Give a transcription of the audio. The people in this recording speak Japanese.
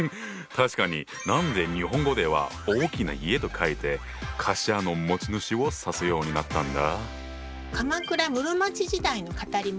確かに何で日本語では「大きな家」と書いて「貸家の持ち主」を指すようになったんだ？